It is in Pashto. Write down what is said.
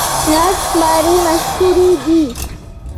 نرخ مڼې مشهورې دي؟